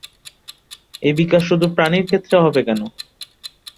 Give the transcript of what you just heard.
এই বিকাশ শুধু প্রাণীর ক্ষেত্রে হবে কেন?